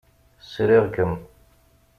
Sriɣ-kem.